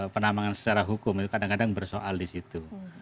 penambangan secara hukum itu kadang kadang bersoal di situ